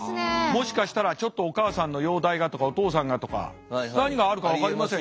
もしかしたらちょっとお母さんの容体がとかお父さんがとか。何があるか分かりません